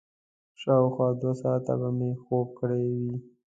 شاوخوا دوه ساعته به مې خوب کړی وي.